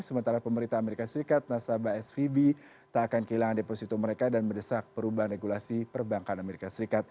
sementara pemerintah as nasabah svb tak akan kehilangan deposito mereka dan berdesak perubahan regulasi perbankan as